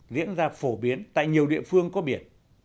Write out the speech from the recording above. diễn ra phổ biến tại nhiều địa phương có biển